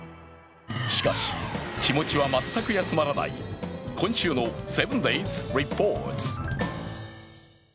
しかし気持ちは全く休まらない今週の「７ｄａｙｓリポート」。